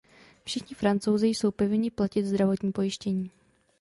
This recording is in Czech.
Všichni Francouzi jsou povinni platit zdravotní pojištění.